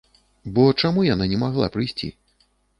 Бо чаму яна не магла прыйсці?